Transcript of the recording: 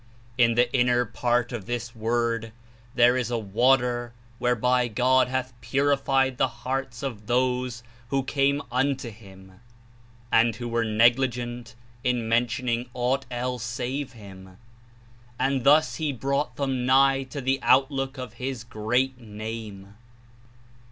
In the inner part of this Word there is a water whereby God hath purified the hearts of those who came unto Him, and who were negligent in mentioning aught else save Him, and thus He brought them nigh to the Outlook of His Great Name.